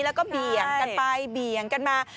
แล้วก็เบี่ยงกันไปเบี่ยงกันมา